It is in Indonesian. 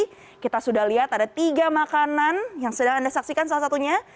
tadi kita sudah lihat ada tiga makanan yang sedang anda saksikan salah satunya